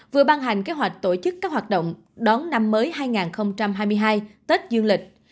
vừa ban hành kế hoạch tổ chức các hoạt động đón năm mới hai nghìn hai mươi hai tết dương lịch